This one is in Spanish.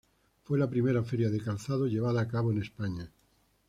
Fue la primera feria de calzado llevada a cabo en España.